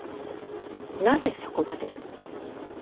なぜそこまで？